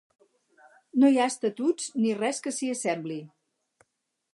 No hi ha estatuts ni res que s’hi assembli.